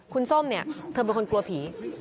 คุณส้มเธอเป็นคนกลัวผี